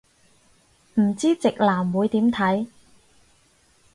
唔知直男會點睇